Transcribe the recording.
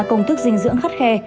công thức dinh dưỡng khắt khe